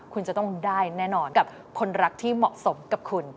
คุณจะต้องได้แน่นอนกับคนรักที่เหมาะสมกับคุณ